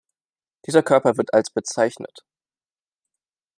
Dieser Körper wird als bezeichnet.